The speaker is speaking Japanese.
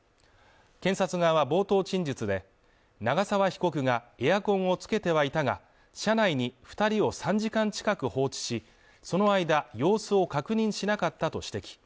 検察側は冒頭陳述で長沢被告が、エアコンをつけてはいたが車内に２人を３時間近く放置し、その間、様子を確認しなかったと指摘。